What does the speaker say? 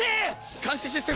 監視システム